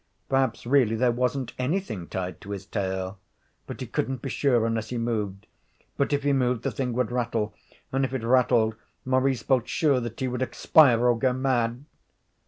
Perhaps really there wasn't anything tied to his tail. But he couldn't be sure unless he moved. But if he moved the thing would rattle, and if it rattled Maurice felt sure that he would expire or go mad.